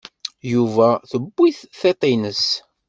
Yuba tewwi-t tiṭ-nnes.